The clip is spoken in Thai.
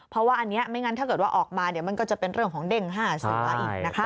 เพราะว่าอันนี้ไม่งั้นถ้าเกิดว่าออกมาเดี๋ยวมันก็จะเป็นเรื่องของเด้ง๕เสืออีกนะคะ